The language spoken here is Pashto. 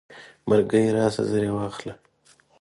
مرګیه راشه زر یې واخله.